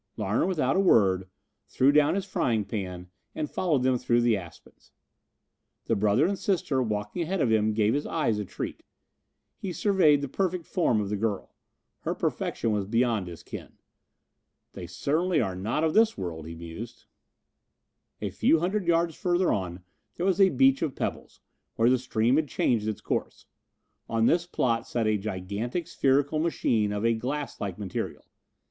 Larner, without a word, threw down his frying pan and followed them through the aspens. The brother and sister walking ahead of him gave his eyes a treat. He surveyed the perfect form of the girl. Her perfection was beyond his ken. "They certainly are not of this world," he mused. A few hundred yards farther on there was a beach of pebbles, where the stream had changed its course. On this plot sat a gigantic spherical machine of a glasslike material.